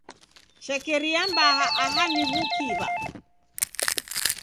Shekeria mbaa aha ni w'ukiw'a.